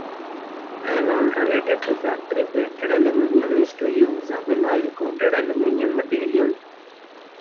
An alternative to factory painted aluminum is to use a vinyl coated aluminium material.